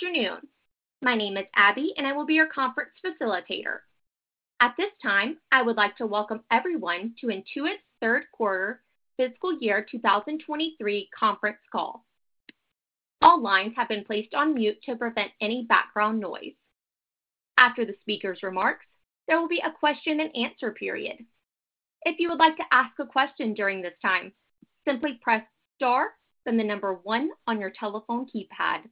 Good afternoon. My name is Abby, and I will be your conference facilitator. At this time, I would like to welcome everyone to Intuit's third quarter fiscal year 2023 conference call. All lines have been placed on mute to prevent any background noise. After the speaker's remarks, there will be a question-and-answer period. If you would like to ask a question during this time, simply press star, then 1 on your telephone keypad.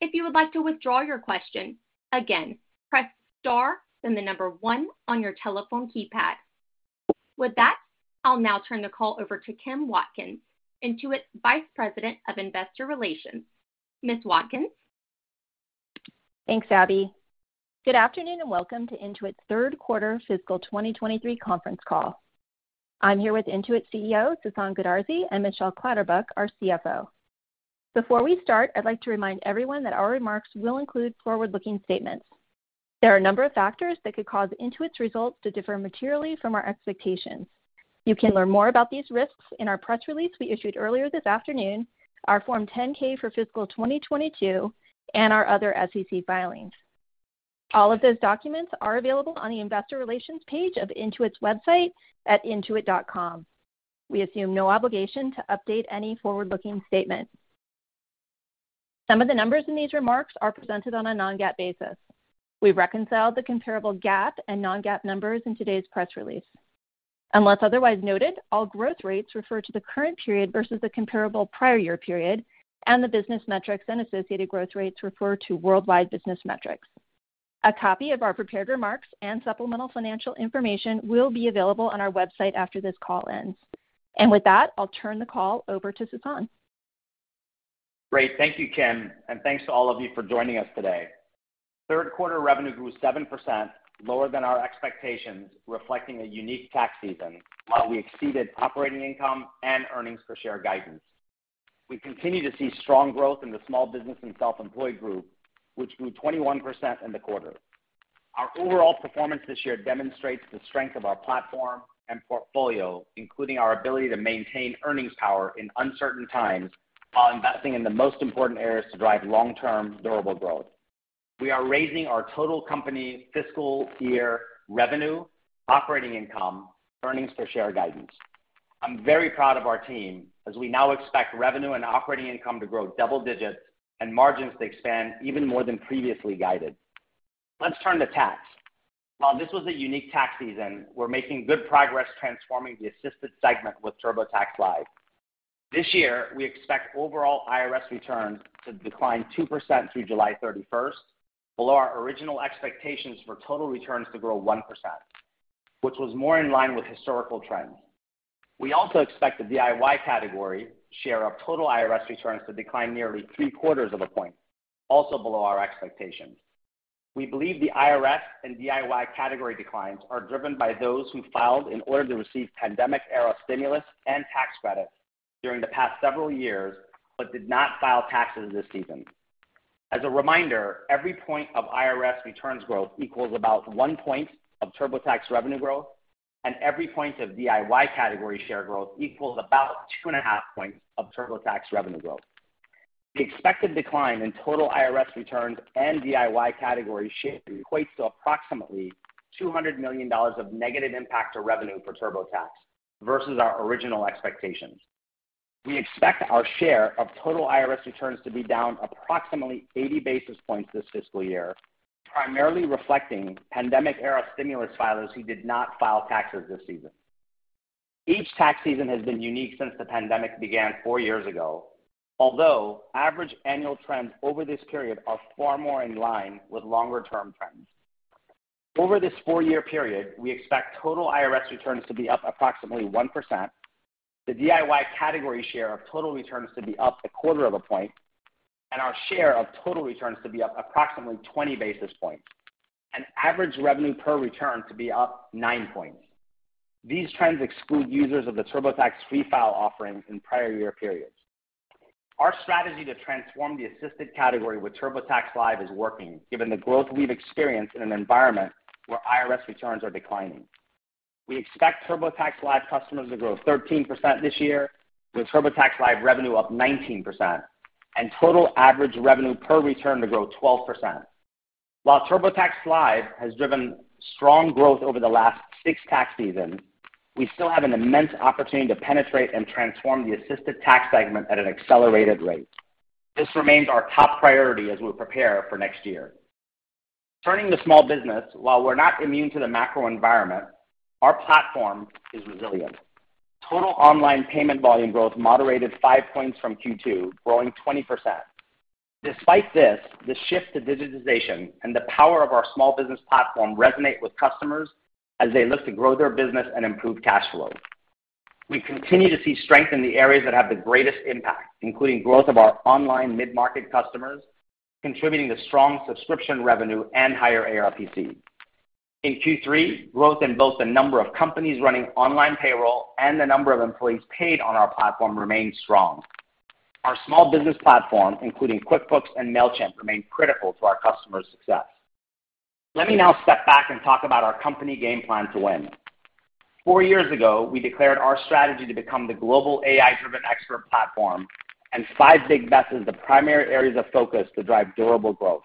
If you would like to withdraw your question, again, press star, then 1 on your telephone keypad. With that, I'll now turn the call over to Kim Watkins, Intuit's Vice President of Investor Relations. Ms. Watkins? Thanks, Abby. Good afternoon, and welcome to Intuit's third quarter fiscal 2023 conference call. I'm here with Intuit's CEO, Sasan Goodarzi, and Michelle Clatterbuck, our CFO. Before we start, I'd like to remind everyone that our remarks will include forward-looking statements. There are a number of factors that could cause Intuit's results to differ materially from our expectations. You can learn more about these risks in our press release we issued earlier this afternoon, our Form 10-K for fiscal 2022, and our other SEC filings. All of those documents are available on the investor relations page of Intuit's website at intuit.com. We assume no obligation to update any forward-looking statement. Some of the numbers in these remarks are presented on a non-GAAP basis. We've reconciled the comparable GAAP and non-GAAP numbers in today's press release. Unless otherwise noted, all growth rates refer to the current period versus the comparable prior year period, and the business metrics and associated growth rates refer to worldwide business metrics. A copy of our prepared remarks and supplemental financial information will be available on our website after this call ends. With that, I'll turn the call over to Sasan. Great. Thank you, Kim, and thanks to all of you for joining us today. Third quarter revenue grew 7%, lower than our expectations, reflecting a unique tax season, while we exceeded operating income and earnings per share guidance. We continue to see strong growth in the Small Business and Self-Employed Group, which grew 21% in the quarter. Our overall performance this year demonstrates the strength of our platform and portfolio, including our ability to maintain earnings power in uncertain times, while investing in the most important areas to drive long-term durable growth. We are raising our total company fiscal year revenue, operating income, earnings per share guidance. I'm very proud of our team as we now expect revenue and operating income to grow double digits and margins to expand even more than previously guided. Let's turn to tax. While this was a unique tax season, we're making good progress transforming the assisted segment with TurboTax Live. This year, we expect overall IRS returns to decline 2% through July 31st, below our original expectations for total returns to grow 1%, which was more in line with historical trends. We also expect the DIY category share of total IRS returns to decline nearly 3/4 of a point, also below our expectations. We believe the IRS and DIY category declines are driven by those who filed in order to receive pandemic-era stimulus and tax credits during the past several years but did not file taxes this season. As a reminder, every point of IRS returns growth equals about one point of TurboTax revenue growth, and every point of DIY category share growth equals about 2.5 points of TurboTax revenue growth. The expected decline in total IRS returns and DIY category share equates to approximately $200 million of negative impact to revenue for TurboTax versus our original expectations. We expect our share of total IRS returns to be down approximately 80 basis points this fiscal year, primarily reflecting pandemic-era stimulus filers who did not file taxes this season. Each tax season has been unique since the pandemic began four years ago, although average annual trends over this period are far more in line with longer-term trends. Over this four-year period, we expect total IRS returns to be up approximately 1%, the DIY category share of total returns to be up a quarter of a point, and our share of total returns to be up approximately 20 basis points, and average revenue per return to be up nine points. These trends exclude users of the TurboTax Free File offering in prior year periods. Our strategy to transform the assisted category with TurboTax Live is working, given the growth we've experienced in an environment where IRS returns are declining. We expect TurboTax Live customers to grow 13% this year, with TurboTax Live revenue up 19%, and total average revenue per return to grow 12%. While TurboTax Live has driven strong growth over the last six tax seasons, we still have an immense opportunity to penetrate and transform the assisted tax segment at an accelerated rate. This remains our top priority as we prepare for next year. Turning to small business, while we're not immune to the macro environment, our platform is resilient. Total online payment volume growth moderated 5 points from Q2, growing 20%. Despite this, the shift to digitization and the power of our small business platform resonate with customers as they look to grow their business and improve cash flow. We continue to see strength in the areas that have the greatest impact, including growth of our online mid-market customers, contributing to strong subscription revenue and higher ARPC. In Q3, growth in both the number of companies running online payroll and the number of employees paid on our platform remained strong. Our small business platform, including QuickBooks and Mailchimp, remain critical to our customers' success. Let me now step back and talk about our company game plan to win. Four years ago, we declared our strategy to become the global AI-driven expert platform and 5 Big Bets as the primary areas of focus to drive durable growth.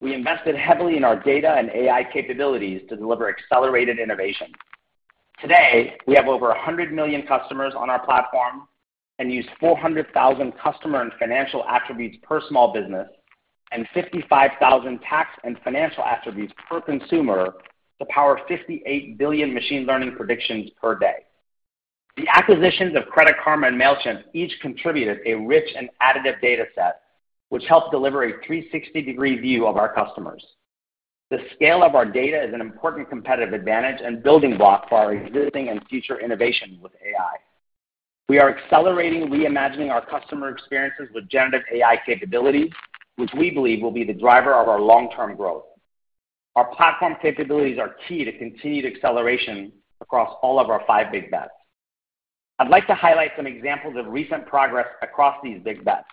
We invested heavily in our data and AI capabilities to deliver accelerated innovation. Today, we have over 100 million customers on our platform and use 400,000 customer and financial attributes per small business and 55,000 tax and financial attributes per consumer to power 58 billion machine learning predictions per day. The acquisitions of Credit Karma and Mailchimp each contributed a rich and additive data set, which helped deliver a 360-degree view of our customers. The scale of our data is an important competitive advantage and building block for our existing and future innovation with AI. We are accelerating reimagining our customer experiences with generative AI capabilities, which we believe will be the driver of our long-term growth. Our platform capabilities are key to continued acceleration across all of our 5 Big Bets. I'd like to highlight some examples of recent progress across these Big Bets.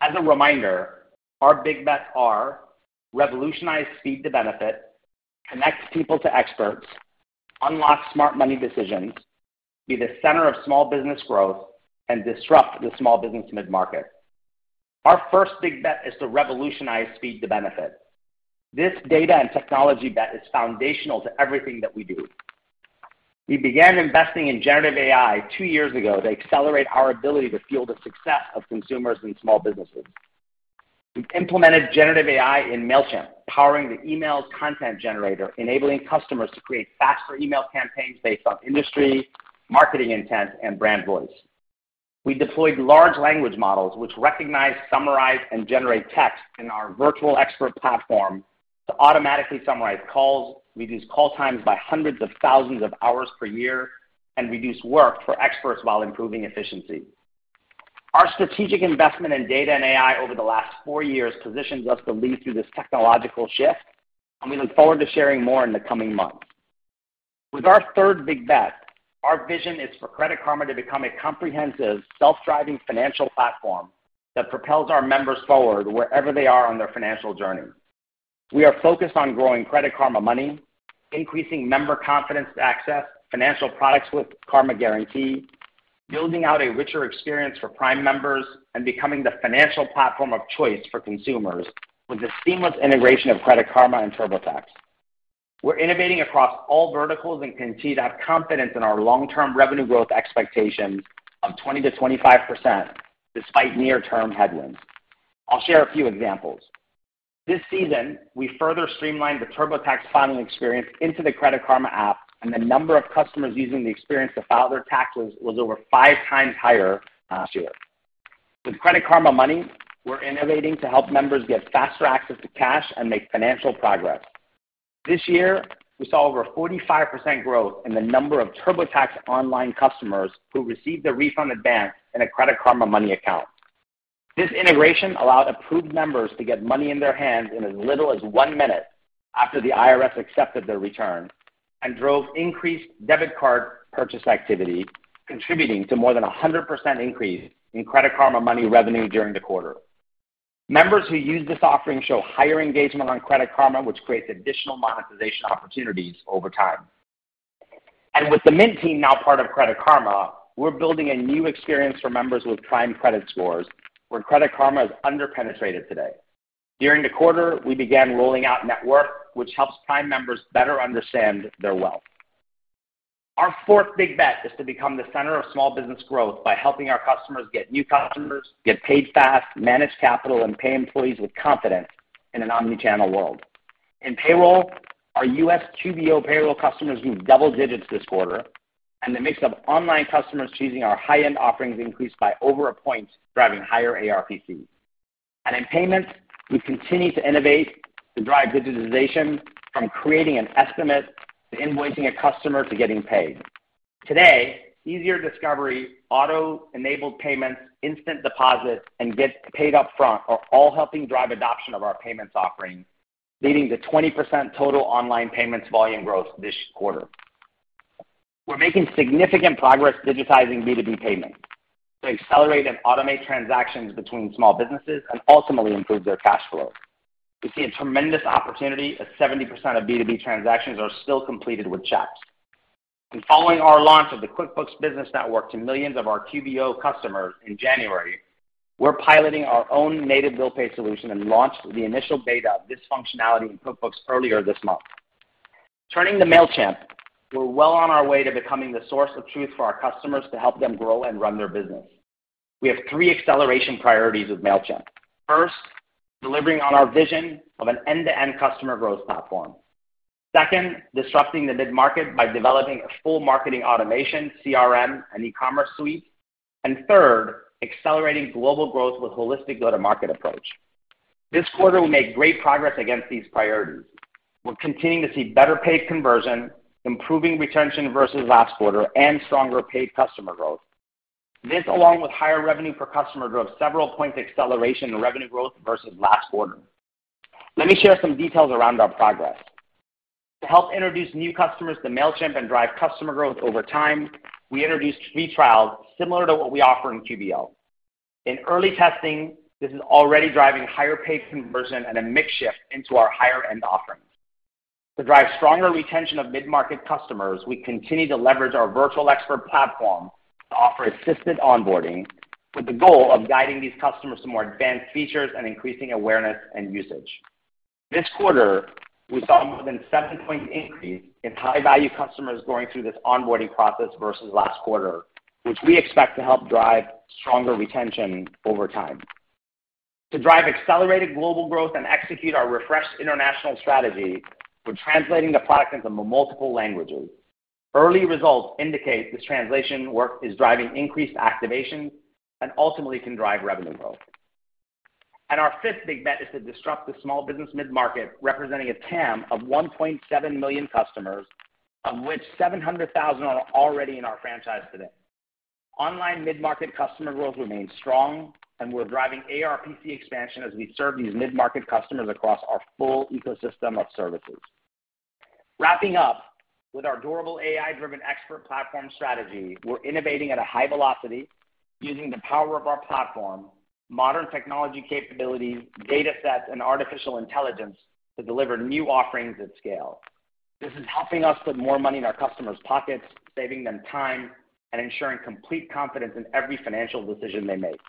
As a reminder, our Big Bets are revolutionize speed to benefit, connect people to experts, unlock smart money decisions, be the center of small business growth, and disrupt the small business mid-market. Our first Big Bet is to revolutionize speed to benefit. This data and technology bet is foundational to everything that we do. We began investing in generative AI two years ago to accelerate our ability to fuel the success of consumers and small businesses. We've implemented generative AI in Mailchimp, powering the email content generator, enabling customers to create faster email campaigns based on industry, marketing intent, and brand voice. We deployed large language models which recognize, summarize, and generate text in our virtual expert platform to automatically summarize calls, reduce call times by hundreds of thousands of hours per year, and reduce work for experts while improving efficiency. Our strategic investment in data and AI over the last four years positions us to lead through this technological shift, and we look forward to sharing more in the coming months. With our third Big Bet, our vision is for Credit Karma to become a comprehensive self-driving financial platform that propels our members forward wherever they are on their financial journey. We are focused on growing Credit Karma Money, increasing member confidence to access financial products with Karma Guarantee, building out a richer experience for prime members, and becoming the financial platform of choice for consumers with the seamless integration of Credit Karma and TurboTax. We're innovating across all verticals and continue to have confidence in our long-term revenue growth expectation of 20%-25% despite near-term headwinds. I'll share a few examples. This season, we further streamlined the TurboTax filing experience into the Credit Karma app, and the number of customers using the experience to file their taxes was over five times higher last year. With Credit Karma Money, we're innovating to help members get faster access to cash and make financial progress. This year, we saw over 45% growth in the number of TurboTax Online customers who received their refund advance in a Credit Karma Money account. This integration allowed approved members to get money in their hands in as little as one minute after the IRS accepted their return and drove increased debit card purchase activity, contributing to more than a 100% increase in Credit Karma Money revenue during the quarter. Members who use this offering show higher engagement on Credit Karma, which creates additional monetization opportunities over time. With the Mint team now part of Credit Karma, we're building a new experience for members with prime credit scores, where Credit Karma is under-penetrated today. During the quarter, we began rolling out Net Worth, which helps prime members better understand their wealth. Our fourth Big Bet is to become the center of small business growth by helping our customers get new customers, get paid fast, manage capital, and pay employees with confidence in an omni-channel world. In payroll, our U.S. QBO payroll customers grew double digits this quarter, and the mix of online customers choosing our high-end offerings increased by over 1 point, driving higher ARPC. In payments, we continue to innovate to drive digitization from creating an estimate to invoicing a customer to getting paid. Today, easier discovery, auto-enabled payments, instant deposits, and get paid upfront are all helping drive adoption of our payments offerings, leading to 20% total online payments volume growth this quarter. We're making significant progress digitizing B2B payments to accelerate and automate transactions between small businesses and ultimately improve their cash flow. We see a tremendous opportunity as 70% of B2B transactions are still completed with checks. Following our launch of the QuickBooks Business Network to millions of our QBO customers in January, we're piloting our own native bill pay solution and launched the initial beta of this functionality in QuickBooks earlier this month. Turning to Mailchimp, we're well on our way to becoming the source of truth for our customers to help them grow and run their business. We have three acceleration priorities with Mailchimp. First, delivering on our vision of an end-to-end customer growth platform. Disrupting the mid-market by developing a full marketing automation, CRM, and e-commerce suite. Third, accelerating global growth with holistic go-to-market approach. This quarter, we made great progress against these priorities. We're continuing to see better paid conversion, improving retention versus last quarter, and stronger paid customer growth. This, along with higher revenue per customer, drove several points acceleration in revenue growth versus last quarter. Let me share some details around our progress. To help introduce new customers to Mailchimp and drive customer growth over time, we introduced free trials similar to what we offer in QBO. In early testing, this is already driving higher paid conversion and a mix shift into our higher end offerings. To drive stronger retention of mid-market customers, we continue to leverage our virtual expert platform to offer assisted onboarding with the goal of guiding these customers to more advanced features and increasing awareness and usage. This quarter, we saw more than 7 point increase in high value customers going through this onboarding process versus last quarter, which we expect to help drive stronger retention over time. To drive accelerated global growth and execute our refreshed international strategy, we're translating the product into multiple languages. Early results indicate this translation work is driving increased activation and ultimately can drive revenue growth. Our fifth big bet is to disrupt the small business mid-market, representing a TAM of 1.7 million customers, of which 700,000 are already in our franchise today. Online mid-market customer growth remains strong, we're driving ARPC expansion as we serve these mid-market customers across our full ecosystem of services. Wrapping up with our durable AI-driven expert platform strategy, we're innovating at a high velocity using the power of our platform, modern technology capabilities, data sets, and artificial intelligence to deliver new offerings at scale. This is helping us put more money in our customers' pockets, saving them time, and ensuring complete confidence in every financial decision they make.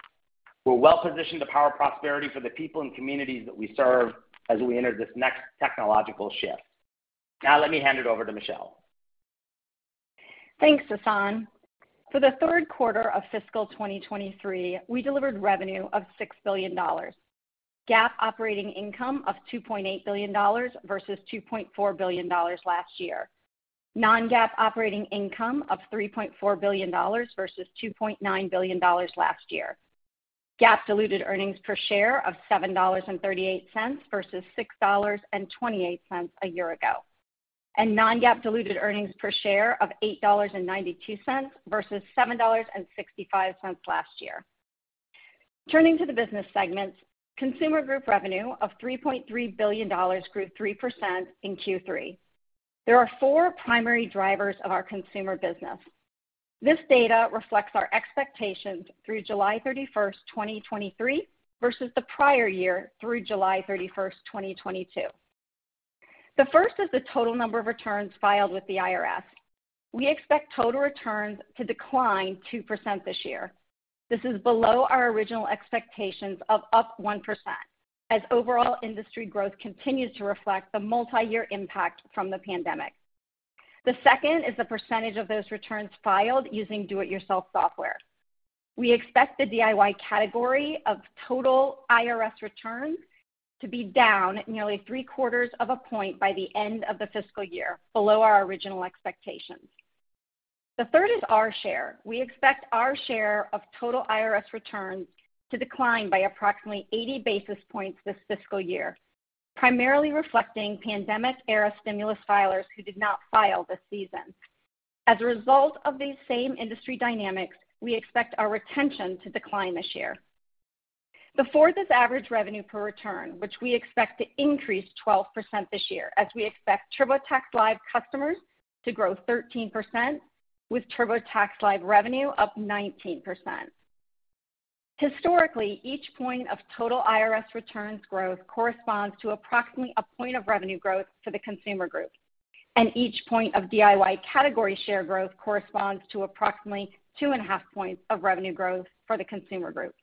We're well-positioned to power prosperity for the people and communities that we serve as we enter this next technological shift. Now, let me hand it over to Michelle. Thanks, Sasan. For the third quarter of fiscal 2023, we delivered revenue of $6 billion, GAAP operating income of $2.8 billion versus $2.4 billion last year. Non-GAAP operating income of $3.4 billion versus $2.9 billion last year. GAAP diluted earnings per share of $7.38 versus $6.28 a year ago. Non-GAAP diluted earnings per share of $8.92 versus $7.65 last year. Turning to the business segments, Consumer Group revenue of $3.3 billion grew 3% in Q3. There are four primary drivers of our consumer business. This data reflects our expectations through July 31, 2023 versus the prior year through July 31, 2022. The first is the total number of returns filed with the IRS. We expect total returns to decline 2% this year. This is below our original expectations of up 1%, as overall industry growth continues to reflect the multi-year impact from the pandemic. The second is the percentage of those returns filed using DIY software. We expect the DIY category of total IRS returns to be down nearly three-quarters of a point by the end of the fiscal year, below our original expectations. The third is our share. We expect our share of total IRS returns to decline by approximately 80 basis points this fiscal year, primarily reflecting pandemic-era stimulus filers who did not file this season. As a result of these same industry dynamics, we expect our retention to decline this year. The fourth is average revenue per return, which we expect to increase 12% this year, as we expect TurboTax Live customers to grow 13% with TurboTax Live revenue up 19%. Historically, each point of total IRS returns growth corresponds to approximately a point of revenue growth for the Consumer Group, and each point of DIY category share growth corresponds to approximately 2.5 points of revenue growth for the Consumer Group.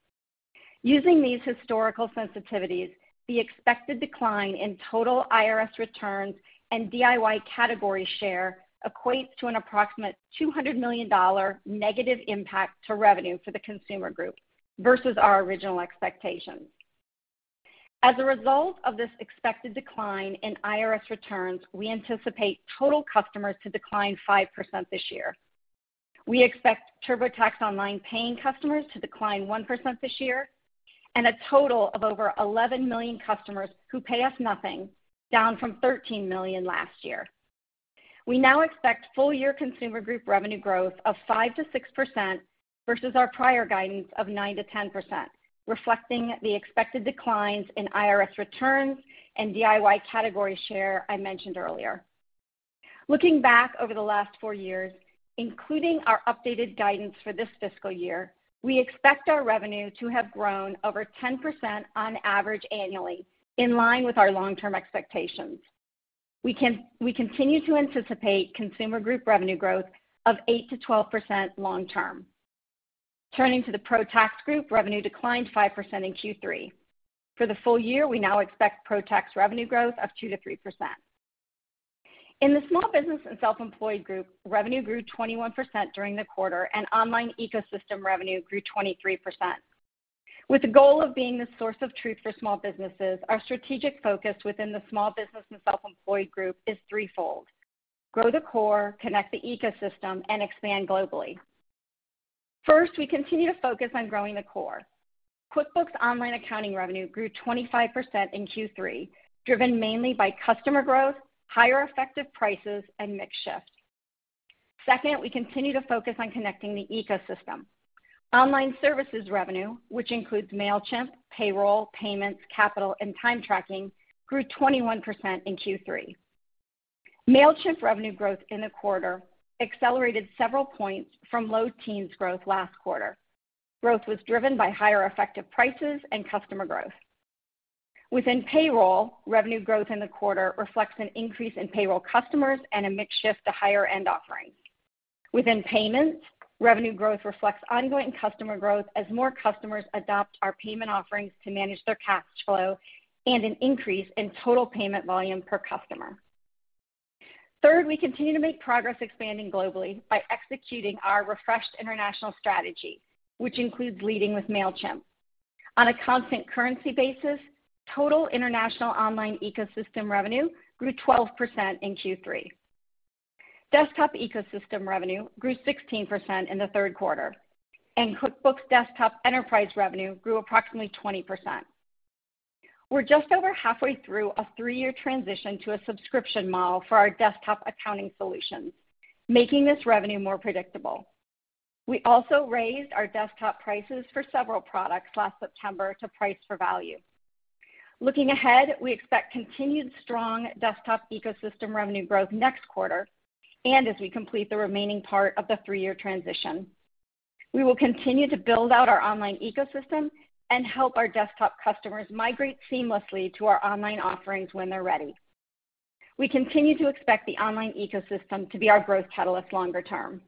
Using these historical sensitivities, the expected decline in total IRS returns and DIY category share equates to an approximate $200 million negative impact to revenue for the Consumer Group versus our original expectations. As a result of this expected decline in IRS returns, we anticipate total customers to decline 5% this year. We expect TurboTax Online paying customers to decline 1% this year and a total of over 11 million customers who pay us nothing, down from 13 million last year. We now expect full year Consumer Group revenue growth of 5%-6% versus our prior guidance of 9%-10%, reflecting the expected declines in IRS returns and DIY category share I mentioned earlier. Looking back over the last four years, including our updated guidance for this fiscal year, we expect our revenue to have grown over 10% on average annually, in line with our long-term expectations. We continue to anticipate Consumer Group revenue growth of 8%-12% long term. Turning to the ProTax Group, revenue declined 5% in Q3. For the full year, we now expect ProTax Group revenue growth of 2%-3%. In the Small Business and Self-Employed Group, revenue grew 21% during the quarter, and online ecosystem revenue grew 23%. With the goal of being the source of truth for small businesses, our strategic focus within the Small Business and Self-Employed Group is threefold: grow the core, connect the ecosystem, and expand globally. First, we continue to focus on growing the core. QuickBooks Online accounting revenue grew 25% in Q3, driven mainly by customer growth, higher effective prices, and mix shift. Second, we continue to focus on connecting the ecosystem. Online services revenue, which includes Mailchimp, payroll, payments, capital, and time tracking, grew 21% in Q3. Mailchimp revenue growth in the quarter accelerated several points from low teens growth last quarter. Growth was driven by higher effective prices and customer growth. Within payroll, revenue growth in the quarter reflects an increase in payroll customers and a mix shift to higher-end offerings. Within payments, revenue growth reflects ongoing customer growth as more customers adopt our payment offerings to manage their cash flow and an increase in total payment volume per customer. We continue to make progress expanding globally by executing our refreshed international strategy, which includes leading with Mailchimp. On a constant currency basis, total international online ecosystem revenue grew 12% in Q3. Desktop ecosystem revenue grew 16% in the third quarter, and QuickBooks Desktop enterprise revenue grew approximately 20%. We're just over halfway through a three-year transition to a subscription model for our desktop accounting solutions, making this revenue more predictable. We also raised our desktop prices for several products last September to price for value. Looking ahead, we expect continued strong desktop ecosystem revenue growth next quarter and as we complete the remaining part of the three-year transition. We will continue to build out our online ecosystem and help our desktop customers migrate seamlessly to our online offerings when they're ready. We continue to expect the online ecosystem to be our growth catalyst longer term.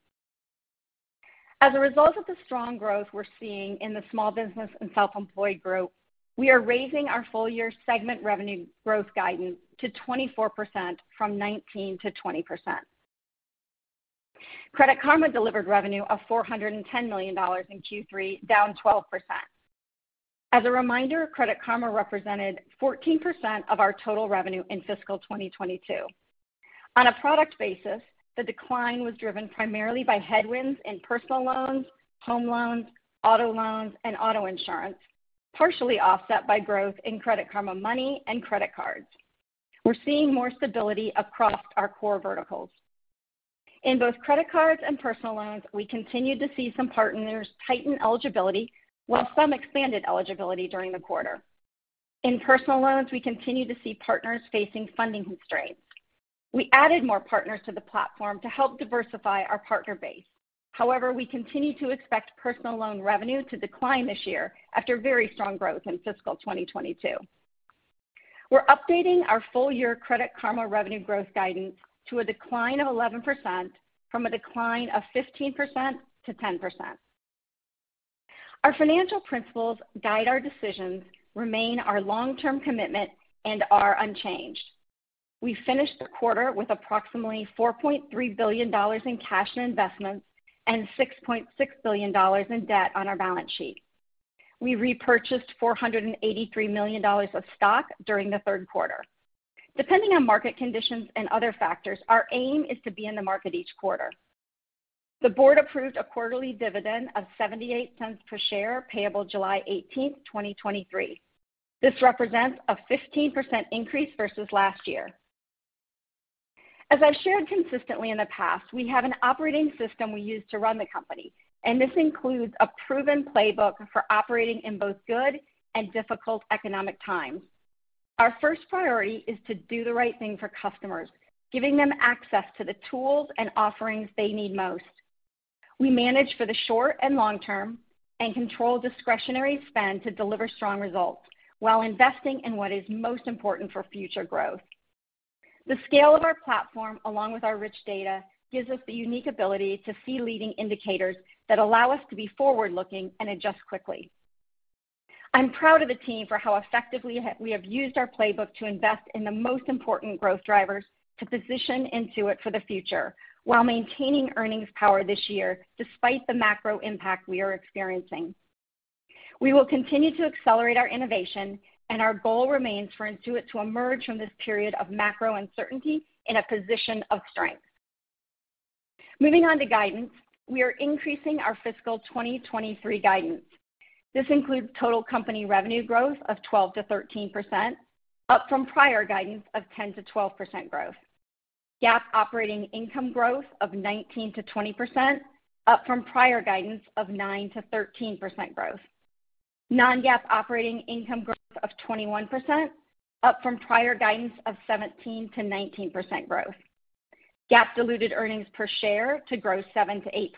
As a result of the strong growth we're seeing in the Small Business and Self-Employed Group, we are raising our full-year segment revenue growth guidance to 24% from 19%-20%. Credit Karma delivered revenue of $410 million in Q3, down 12%. As a reminder, Credit Karma represented 14% of our total revenue in fiscal 2022. On a product basis, the decline was driven primarily by headwinds in personal loans, home loans, auto loans, and auto insurance, partially offset by growth in Credit Karma Money and credit cards. We're seeing more stability across our core verticals. In both credit cards and personal loans, we continued to see some partners tighten eligibility while some expanded eligibility during the quarter. In personal loans, we continue to see partners facing funding constraints. We added more partners to the platform to help diversify our partner base. We continue to expect personal loan revenue to decline this year after very strong growth in fiscal 2022. We're updating our full-year Credit Karma revenue growth guidance to a decline of 11% from a decline of 15%-10%. Our financial principles guide our decisions remain our long-term commitment and are unchanged. We finished the quarter with approximately $4.3 billion in cash and investments and $6.6 billion in debt on our balance sheet. We repurchased $483 million of stock during the third quarter. Depending on market conditions and other factors, our aim is to be in the market each quarter. The board approved a quarterly dividend of $0.78 per share payable July 18th, 2023. This represents a 15% increase versus last year. As I've shared consistently in the past, we have an operating system we use to run the company. This includes a proven playbook for operating in both good and difficult economic times. Our first priority is to do the right thing for customers, giving them access to the tools and offerings they need most. We manage for the short and long term and control discretionary spend to deliver strong results while investing in what is most important for future growth. The scale of our platform, along with our rich data, gives us the unique ability to see leading indicators that allow us to be forward-looking and adjust quickly. I'm proud of the team for how effectively we have used our playbook to invest in the most important growth drivers to position Intuit for the future while maintaining earnings power this year despite the macro impact we are experiencing. We will continue to accelerate our innovation. Our goal remains for Intuit to emerge from this period of macro uncertainty in a position of strength. Moving on to guidance. We are increasing our fiscal 2023 guidance. This includes total company revenue growth of 12%-13%, up from prior guidance of 10%-12% growth. GAAP operating income growth of 19%-20%, up from prior guidance of 9%-13% growth. Non-GAAP operating income growth of 21%, up from prior guidance of 17%-19% growth. GAAP diluted earnings per share to grow 7%-8%,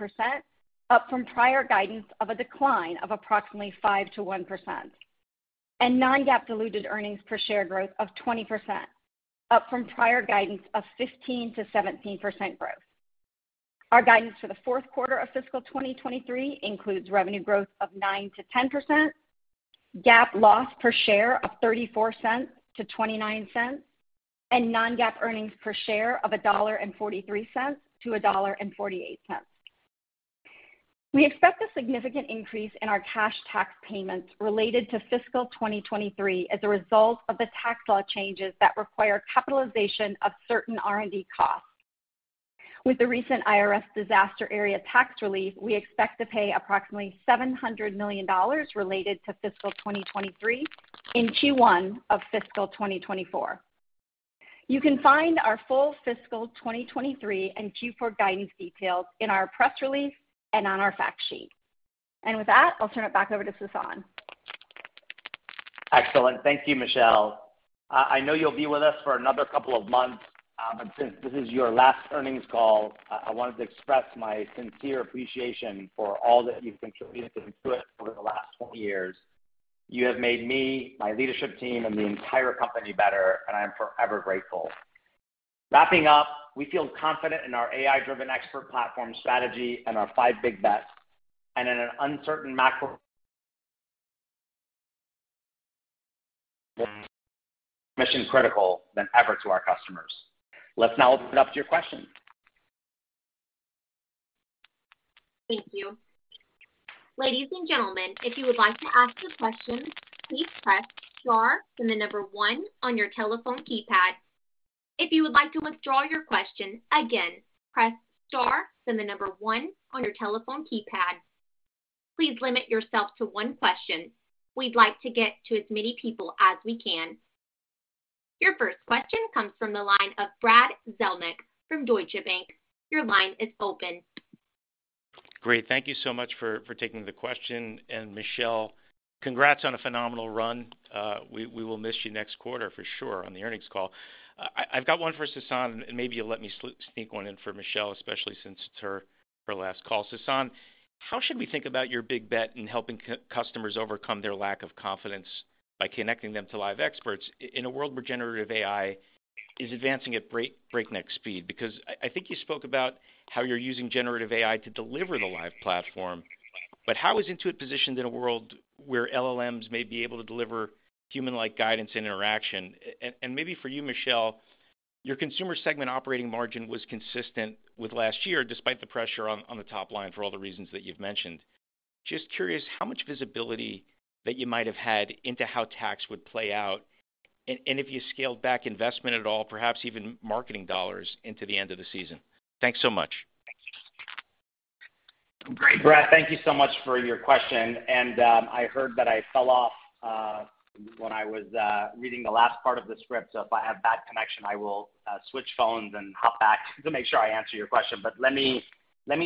up from prior guidance of a decline of approximately 5%-1%. Non-GAAP diluted earnings per share growth of 20%, up from prior guidance of 15%-17% growth. Our guidance for the fourth quarter of fiscal 2023 includes revenue growth of 9%-10%, GAAP loss per share of $0.34-$0.29, and non-GAAP earnings per share of $1.43-$1.48. We expect a significant increase in our cash tax payments related to fiscal 2023 as a result of the tax law changes that require capitalization of certain R&D costs. With the recent IRS disaster area tax relief, we expect to pay approximately $700 million related to fiscal 2023 in Q1 of fiscal 2024. You can find our full fiscal 2023 and Q4 guidance details in our press release and on our fact sheet. With that, I'll turn it back over to Sasan. Excellent. Thank you, Michelle. I know you'll be with us for another couple of months, but since this is your last earnings call, I wanted to express my sincere appreciation for all that you've contributed to Intuit over the last 20 years. You have made me, my leadership team, and the entire company better, and I am forever grateful. Wrapping up, we feel confident in our AI-driven expert platform strategy and our 5 Big Bets. In an uncertain macro mission-critical than ever to our customers. Let's now open it up to your questions. Thank you. Ladies and gentlemen, if you would like to ask a question, please press star then 1 on your telephone keypad. If you would like to withdraw your question, again, press star, then 1 on your telephone keypad. Please limit yourself to 1 question. We'd like to get to as many people as we can. Your first question comes from the line of Brad Zelnick from Deutsche Bank. Your line is open. Great. Thank you so much for taking the question. Michelle, congrats on a phenomenal run. We will miss you next quarter for sure on the earnings call. I've got one for Sasan, maybe you'll let me sneak one in for Michelle, especially since it's her last call. Sasan, how should we think about your big bet in helping customers overcome their lack of confidence by connecting them to live experts in a world where generative AI is advancing at breakneck speed? I think you spoke about how you're using generative AI to deliver the live platform. How is Intuit positioned in a world where LLMs may be able to deliver human-like guidance and interaction? Maybe for you, Michelle, your Consumer segment operating margin was consistent with last year, despite the pressure on the top line for all the reasons that you've mentioned. Just curious how much visibility that you might have had into how tax would play out, and if you scaled back investment at all, perhaps even marketing dollars into the end of the season. Thanks so much. Great. Brad, thank you so much for your question. I heard that I fell off when I was reading the last part of the script. If I have bad connection, I will switch phones and hop back to make sure I answer your question. Let me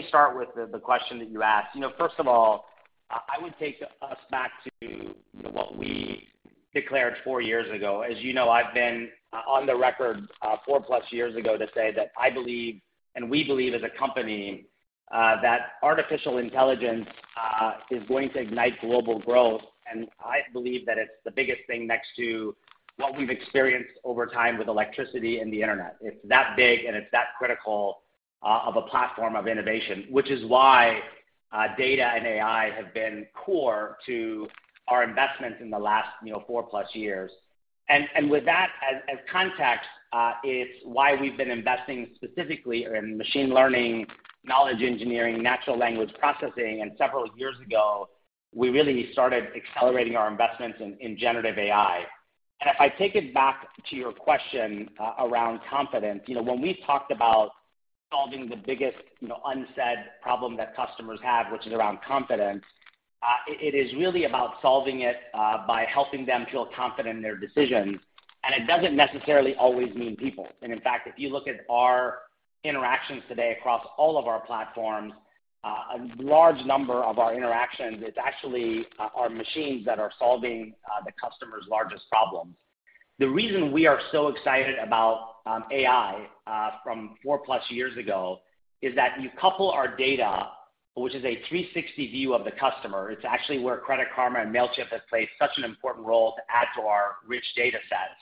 start with the question that you asked. You know, first of all, I would take us back to, you know, what we declared four years ago. As you know, I've been on the record four-plus years ago to say that I believe, and we believe as a company, that artificial intelligence is going to ignite global growth. I believe that it's the biggest thing next to what we've experienced over time with electricity and the internet. It's that big, and it's that critical of a platform of innovation, which is why data and AI have been core to our investments in the last, you know, four-plus years. With that as context, it's why we've been investing specifically in machine learning, knowledge engineering, natural language processing. Several years ago, we really started accelerating our investments in generative AI. If I take it back to your question, around confidence, you know, when we talked about solving the biggest, you know, unsaid problem that customers have, which is around confidence, it is really about solving it by helping them feel confident in their decisions, and it doesn't necessarily always mean people. In fact, if you look at our interactions today across all of our platforms, a large number of our interactions, it's actually our machines that are solving the customer's largest problems. The reason we are so excited about AI from four plus years ago is that you couple our data, which is a 360 view of the customer. It's actually where Credit Karma and Mailchimp have played such an important role to add to our rich data sets.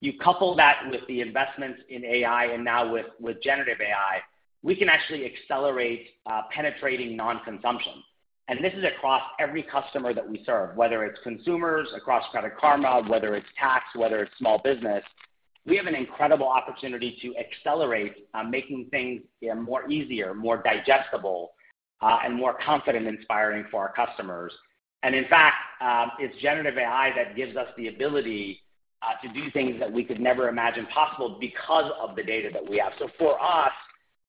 You couple that with the investments in AI and now with generative AI, we can actually accelerate penetrating non-consumption. This is across every customer that we serve, whether it's consumers across Credit Karma, whether it's tax, whether it's small business. We have an incredible opportunity to accelerate on making things, you know, more easier, more digestible, and more confidence-inspiring for our customers. In fact, it's generative AI that gives us the ability to do things that we could never imagine possible because of the data that we have. For us,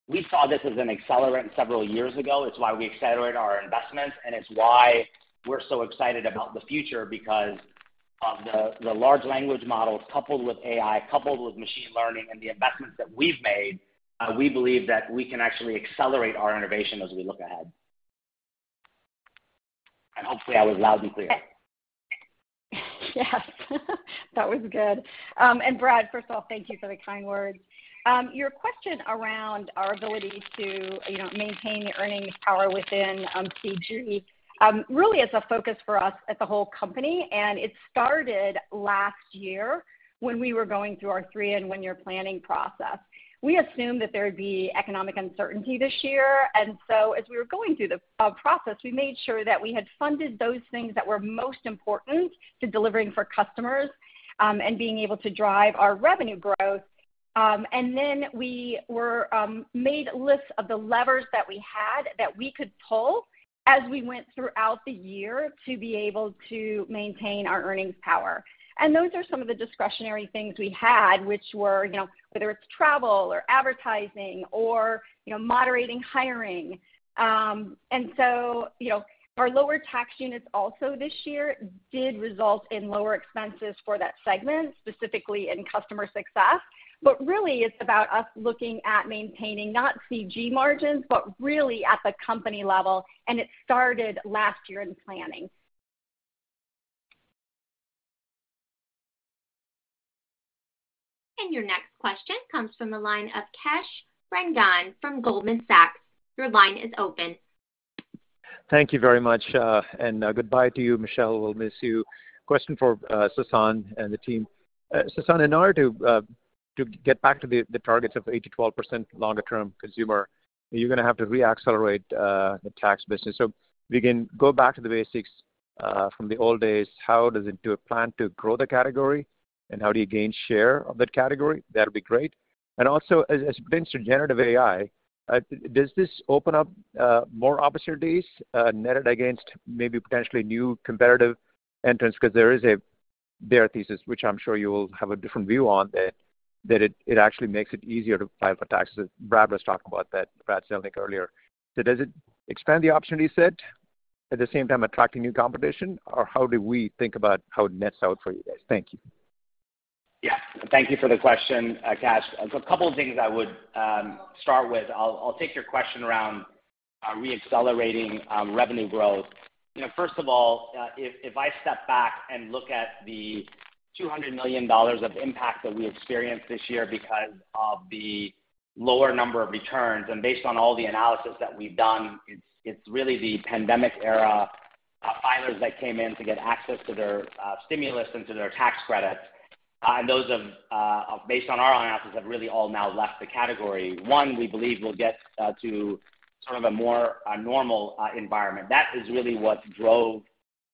we saw this as an accelerant several years ago. It's why we accelerate our investments, and it's why we're so excited about the future because of the large language models coupled with AI, coupled with machine learning and the investments that we've made, we believe that we can actually accelerate our innovation as we look ahead. Hopefully, I was loud and clear. Yes. That was good. Brad, first of all, thank you for the kind words. Your question around our ability to, you know, maintain earnings power within CG really is a focus for us at the whole company, and it started last year when we were going through our three- and one-year planning process. We assumed that there would be economic uncertainty this year. As we were going through the process, we made sure that we had funded those things that were most important to delivering for customers and being able to drive our revenue growth. We were made lists of the levers that we had that we could pull as we went throughout the year to be able to maintain our earnings power. Those are some of the discretionary things we had, which were, you know, whether it's travel or advertising or, you know, moderating hiring. You know, our lower tax units also this year did result in lower expenses for that segment, specifically in customer success. Really it's about us looking at maintaining not CG margins, but really at the company level, and it started last year in planning. Your next question comes from the line of Kash Rangan from Goldman Sachs. Your line is open. Thank you very much. Goodbye to you, Michelle. We'll miss you. Question for Sasan and the team. Sasan, in order to get back to the targets of 8%-12% longer-term Consumer Group, you're gonna have to re-accelerate the tax business. If you can go back to the basics from the old days, how does it plan to grow the category, and how do you gain share of that category? That'd be great. Also as it relates to Generative AI, does this open up more opportunities netted against maybe potentially new competitive entrants? Because there is their thesis, which I'm sure you'll have a different view on, that it actually makes it easier to file for taxes. Brad was talking about that, Brad Zelnick earlier. Does it expand the opportunity set at the same time attracting new competition or how do we think about how it nets out for you guys? Thank you. Yeah. Thank you for the question, Kash. A couple of things I would start with. I'll take your question around re-accelerating revenue growth. You know, first of all, if I step back and look at the $200 million of impact that we experienced this year because of the lower number of returns. Based on all the analysis that we've done, it's really the pandemic era filers that came in to get access to their stimulus and to their tax credits. Those have based on our analysis, have really all now left the category. One, we believe we'll get to sort of a more normal environment. That is really what drove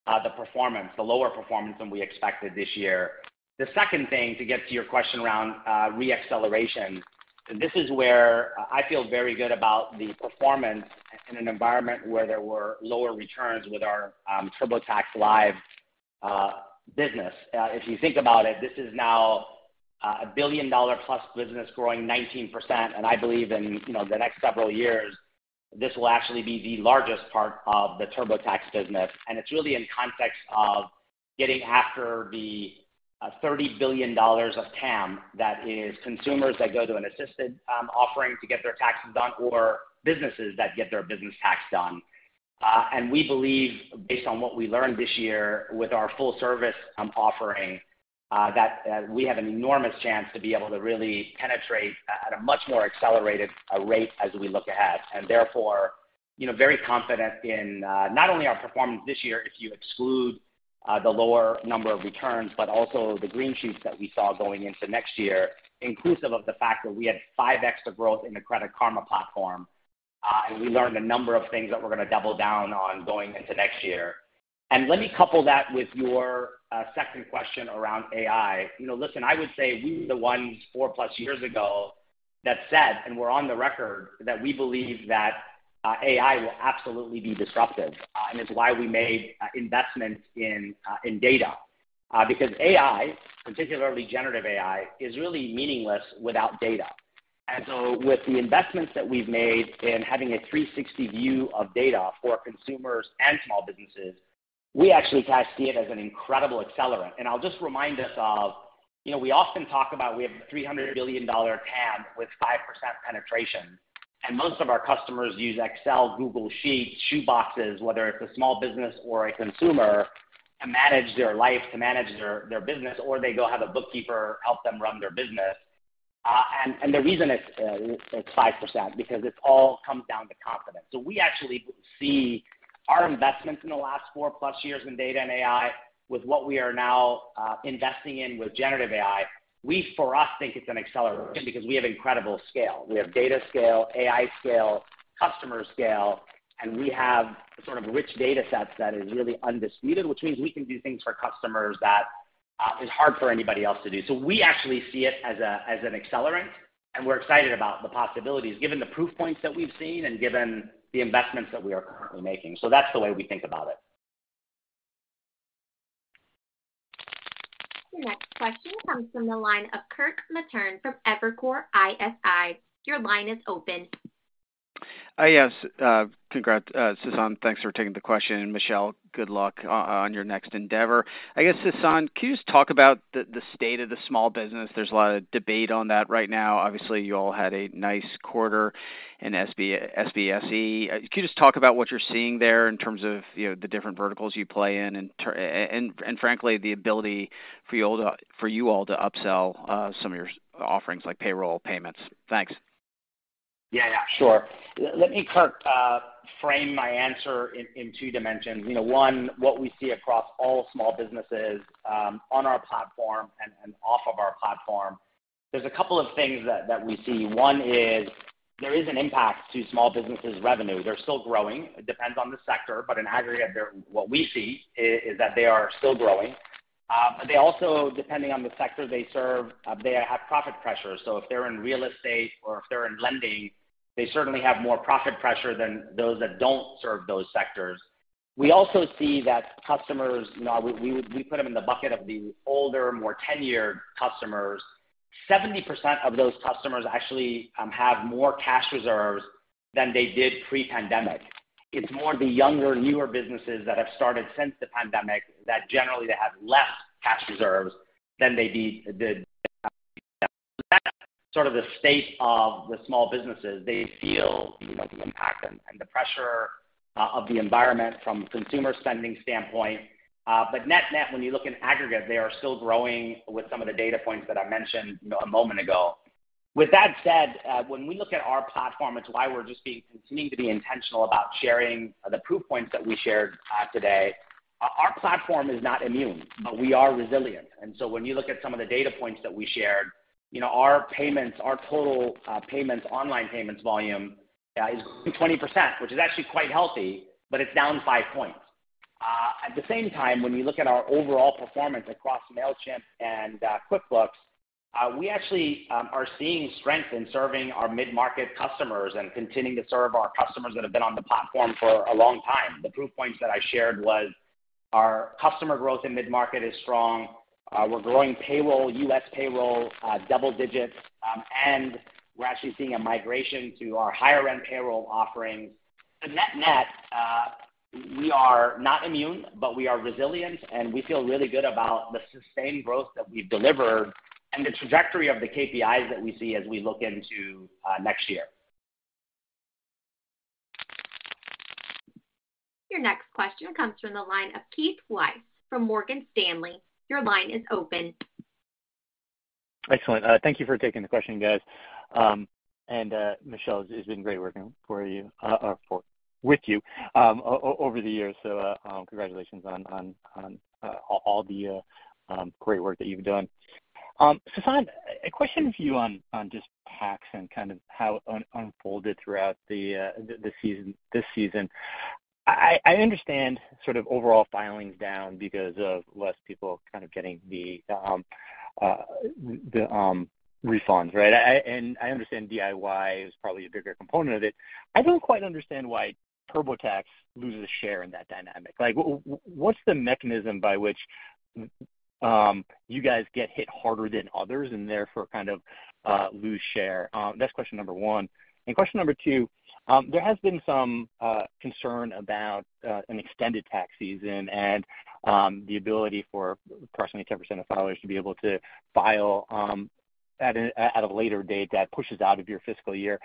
the performance, the lower performance than we expected this year. The second thing, to get to your question around re-acceleration, this is where I feel very good about the performance in an environment where there were lower returns with our TurboTax Live business. If you think about it, this is now a billion-dollar-plus business growing 19%, and I believe in, you know, the next several years, this will actually be the largest part of the TurboTax business. It's really in context of getting after the $30 billion of TAM that is consumers that go to an assisted offering to get their taxes done or businesses that get their business tax done. We believe based on what we learned this year with our full service offering, that we have an enormous chance to be able to really penetrate at a much more accelerated rate as we look ahead. Therefore, you know, very confident in not only our performance this year, if you exclude the lower number of returns, but also the green sheet that we saw going into next year, inclusive of the fact that we had five extra growth in the Credit Karma platform. We learned a number of things that we're gonna double down on going into next year. Let me couple that with your second question around AI. You know, listen, I would say we were the ones four-plus years ago that said, and we're on the record, that we believe that AI will absolutely be disruptive, and it's why we made investments in data. Because AI, particularly generative AI, is really meaningless without data. With the investments that we've made in having a 360 view of data for consumers and small businesses, we actually kind of see it as an incredible accelerant. I'll just remind us of, you know, we often talk about we have a $300 billion TAM with 5% penetration, and most of our customers use Excel, Google Sheets, shoe boxes, whether it's a small business or a consumer, to manage their life, to manage their business, or they go have a bookkeeper help them run their business. The reason it's 5% because it's all comes down to confidence. We actually see our investments in the last four-plus years in data and AI with what we are now investing in with generative AI, we, for us, think it's an accelerant because we have incredible scale. We have data scale, AI scale, customer scale, and we have sort of rich data sets that is really undisputed, which means we can do things for customers that is hard for anybody else to do. We actually see it as an accelerant, and we're excited about the possibilities given the proof points that we've seen and given the investments that we are currently making. That's the way we think about it. The next question comes from the line of Kirk Materne from Evercore ISI. Your line is open. Yes, congrats, Sasan. Thanks for taking the question, and Michelle, good luck on your next endeavor. I guess, Sasan, can you just talk about the state of the small business? There's a lot of debate on that right now. Obviously, you all had a nice quarter in SBSEG. Can you just talk about what you're seeing there in terms of, you know, the different verticals you play in and frankly, the ability for you all to upsell, some of your offerings like payroll payments? Thanks. Yeah, yeah, sure. Let me, Kirk, frame my answer in two dimensions. You know, One, what we see across all small businesses on our platform and off of our platform. There's a couple of things that we see. One is there is an impact to small businesses' revenue. They're still growing. It depends on the sector, but in aggregate, what we see is that they are still growing. They also, depending on the sector they serve, they have profit pressures. If they're in real estate or if they're in lending, they certainly have more profit pressure than those that don't serve those sectors. We also see that customers, you know, we put them in the bucket of the older, more tenured customers. 70% of those customers actually have more cash reserves than they did pre-pandemic. It's more the younger, newer businesses that have started since the pandemic that generally they have less cash reserves than they did. Sort of the state of the small businesses, they feel, you know, the impact and the pressure of the environment from consumer spending standpoint. Net-net, when you look in aggregate, they are still growing with some of the data points that I mentioned a moment ago. With that said, when we look at our platform, it's why we're continuing to be intentional about sharing the proof points that we shared today. Our platform is not immune, but we are resilient. When you look at some of the data points that we shared, you know, our payments, our total payments, online payments volume, is 20%, which is actually quite healthy, but it's down 5 points. At the same time, when you look at our overall performance across Mailchimp and QuickBooks, we actually are seeing strength in serving our mid-market customers and continuing to serve our customers that have been on the platform for a long time. The proof points that I shared was our customer growth in mid-market is strong. We're growing payroll, U.S. payroll, double digits, and we're actually seeing a migration to our higher-end payroll offerings. Net-net, we are not immune, but we are resilient, and we feel really good about the sustained growth that we've delivered and the trajectory of the KPIs that we see as we look into next year. Your next question comes from the line of Keith Weiss from Morgan Stanley. Your line is open. Excellent. Thank you for taking the question, guys. Michelle, it's been great working with you over the years. Congratulations on all the great work that you've done. Sasan, a question for you on just tax and kind of how unfolded throughout this season. I understand sort of overall filings down because of less people kind of getting the refunds, right? I understand DIY is probably a bigger component of it. I don't quite understand why TurboTax loses share in that dynamic. Like, what's the mechanism by which you guys get hit harder than others and therefore kind of lose share? That's question number one. Question number two, there has been some concern about an extended tax season and the ability for approximately 10% of filers to be able to file at a later date that pushes out of your fiscal year.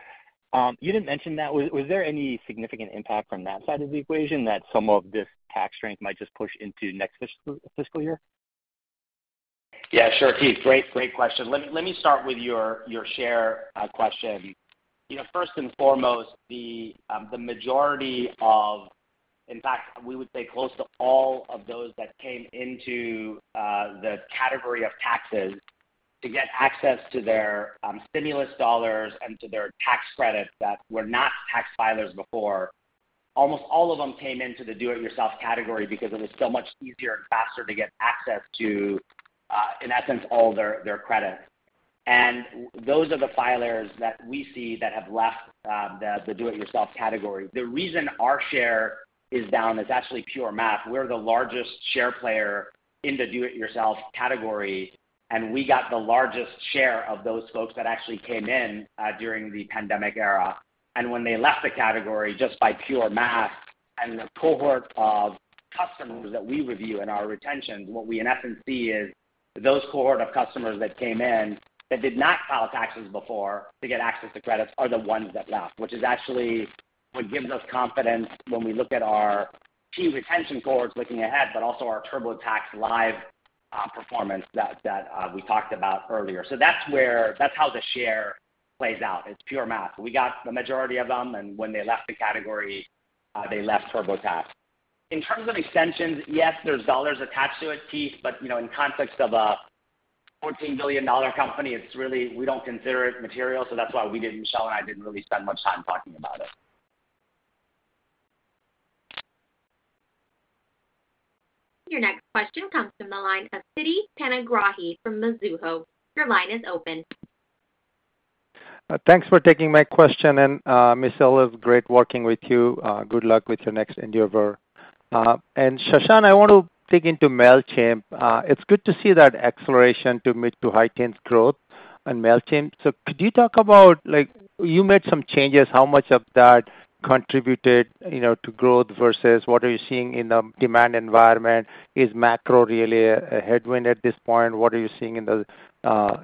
You didn't mention that. Was there any significant impact from that side of the equation that some of this tax strength might just push into next fiscal year? Yeah, sure, Keith. Great question. Let me start with your share question. You know, first and foremost, the majority of, in fact, we would say close to all of those that came into the category of taxes to get access to their stimulus dollars and to their tax credits that were not tax filers before, almost all of them came into the do it yourself category because it was so much easier and faster to get access to, in essence, all their credits. Those are the filers that we see that have left the do it yourself category. The reason our share is down is actually pure math. We're the largest share player in the do it yourself category, we got the largest share of those folks that actually came in during the pandemic era. When they left the category just by pure math and the cohort of customers that we review in our retentions, what we in essence see is those cohort of customers that came in that did not file taxes before to get access to credits are the ones that left. Which is actually what gives us confidence when we look at our key retention cohorts looking ahead, but also our TurboTax Live performance that we talked about earlier. That's how the share plays out. It's pure math. We got the majority of them, and when they left the category, they left TurboTax. In terms of extensions, yes, there's dollars attached to it, Keith, but, you know, in context of a $14 billion company, we don't consider it material. That's why we didn't, Michelle and I didn't really spend much time talking about it. Your next question comes from the line of Siti Panigrahi from Mizuho. Your line is open. Thanks for taking my question. Michelle, it was great working with you. Good luck with your next endeavor. Sasan, I want to dig into Mailchimp. It's good to see that acceleration to mid to high teens growth on Mailchimp. Could you talk about, like, you made some changes, how much of that contributed, you know, to growth versus what are you seeing in the demand environment? Is macro really a headwind at this point? What are you seeing in the,